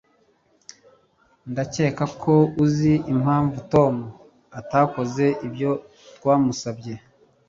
Ndakeka ko uzi impamvu Tom atakoze ibyo twamusabye